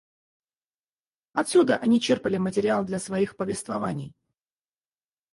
Отсюда они черпали материал для своих повествований.